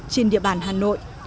trên địa bàn hà nội